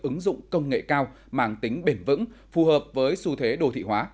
ứng dụng công nghệ cao mang tính bền vững phù hợp với xu thế đô thị hóa